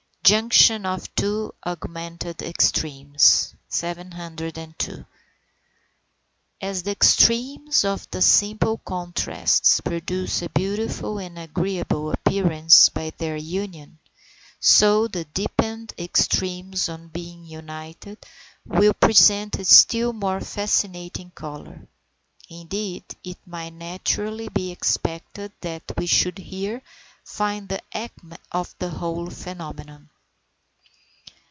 JUNCTION OF THE TWO AUGMENTED EXTREMES. 702. As the extremes of the simple contrast produce a beautiful and agreeable appearance by their union, so the deepened extremes on being united, will present a still more fascinating colour; indeed, it might naturally be expected that we should here find the acme of the whole phenomenon.